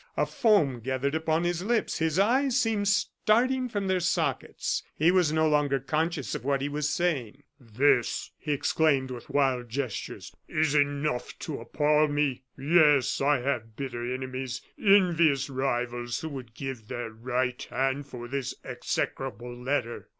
A foam gathered upon his lips, his eyes seemed starting from their sockets; he was no longer conscious of what he was saying. "This," he exclaimed, with wild gestures, "is enough to appall me! Yes, I have bitter enemies, envious rivals who would give their right hand for this execrable letter.